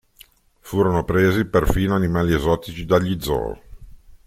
Furono presi perfino animali esotici dagli zoo.